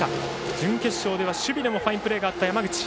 準決勝では守備でもファインプレーがあった山口。